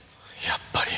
やっぱり！